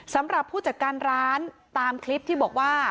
สำหรับผู้จัดการร้านตามคลิปที่บอกว่า